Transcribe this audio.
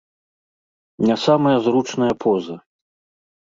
Не самая зручная поза.